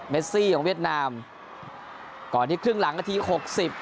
ซี่ของเวียดนามก่อนที่ครึ่งหลังนาทีหกสิบ